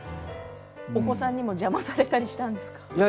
お子さんにも邪魔をされたりしたんですか？